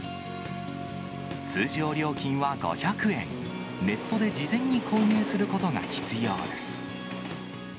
通常料金は５００円、ネットで事前に購入することが必要です。